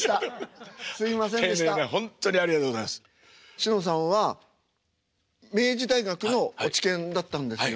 しのさんは明治大学の落研だったんですよね。